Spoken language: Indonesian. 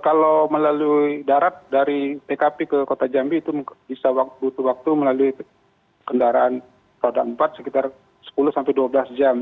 kalau melalui darat dari tkp ke kota jambi itu bisa butuh waktu melalui kendaraan roda empat sekitar sepuluh sampai dua belas jam